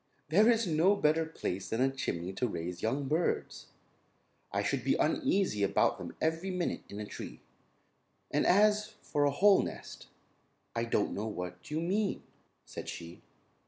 "There is no better place than a chimney to raise young birds. I should be uneasy about them every minute in a tree. And as for a whole nest, I don't know what you mean," said she.